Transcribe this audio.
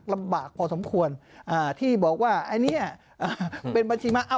ลำบากพอสมควรอ่าที่บอกว่าไอ้เนี้ยอ่าเป็นบัญชีมาอ่ะ